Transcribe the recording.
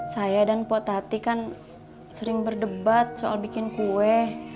saya dan potati kan sering berdebat soal bikin kue